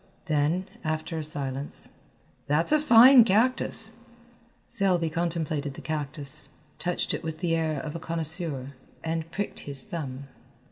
Then, after a silence, "That's a fine cactus." Selby contemplated the cactus, touched it with the air of a connoisseur, and pricked his thumb.